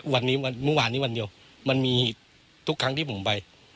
วันนี้เมื่อวานนี้วันเดียวมันมีทุกครั้งที่ผมไป